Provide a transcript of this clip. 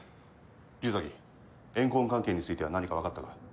竜崎怨恨関係については何か分かったか？